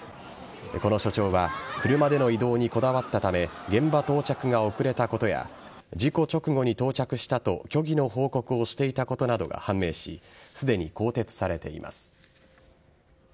この署長は、車での移動にこだわったため、現場到着が遅れたことや、事故直後に到着したと、虚偽の報告をしていたことなどが判明し、すでに更迭されています。